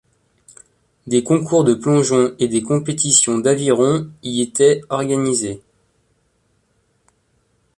Des concours de plongeon et des compétitions d'aviron y été organisés.